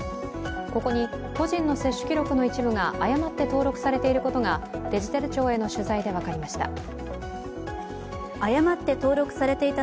ここに個人の接種記録の一部が誤って登録されていることがデジタル庁への取材で分かりました。